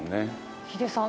ヒデさん。